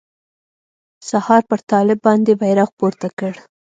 سهار يې پر طالب باندې بيرغ پورته کړ.